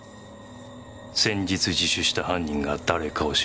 先日自首した犯人が誰かを知る事は。